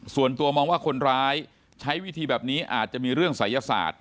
ส่วนตัวมองว่าคนร้ายใช้วิธีแบบนี้อาจจะมีเรื่องศัยศาสตร์